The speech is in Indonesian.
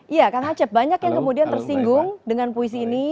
iya kang acep banyak yang kemudian tersinggung dengan puisi ini